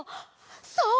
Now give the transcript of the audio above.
そう！